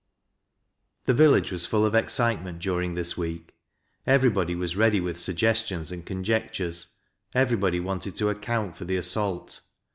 The village was full of excitement during this week Everybody was ready with suggestions and conjectures, everybody wanted to account for the assault.